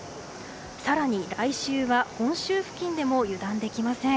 更に来週は本州付近でも油断できません。